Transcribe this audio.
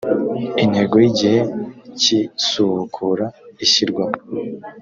intego y’igihe cy’isubukura ishyirwaho